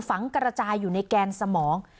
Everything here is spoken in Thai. ฝังกระจายอยู่ในแกนสมอง